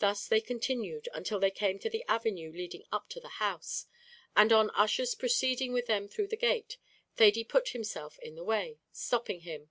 Thus they continued until they came to the avenue leading up to the house, and on Ussher's proceeding with them through the gate, Thady put himself in the way, stopping him.